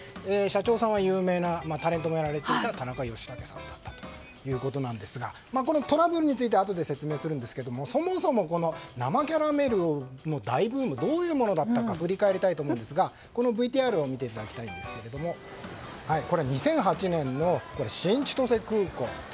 社長さんは有名なタレントもやられていた田中義剛さんだったということなんですがこのトラブルについてはあとで説明するんですけどそもそもの生キャラメルの大ブームどういうものだったのか振り返りたいと思うんですがこのＶＴＲを見ていただきたいんですが２００８年の新千歳空港。